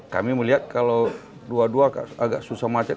kami melihat kalau dua dua agak susah macet